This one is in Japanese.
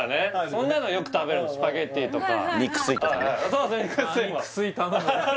そんなのよく食べるスパゲティとか肉吸いとかねああ